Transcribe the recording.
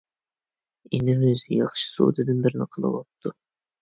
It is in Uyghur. ئىنىمىز ياخشى سودىدىن بىرنى قىلىۋاپتۇ.